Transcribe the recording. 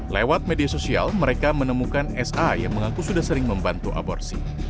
lewat media sosial mereka menemukan sa yang mengaku sudah sering membantu aborsi